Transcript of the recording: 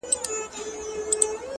بيا دي توري سترگي زما پر لوري نه کړې!